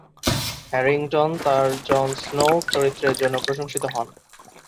Harrington তার Jon Snow চরিত্রের জন্য প্রশংসিত হন।